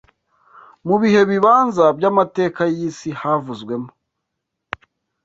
Mu bihe bibanza by’amateka y’isi havuzwemo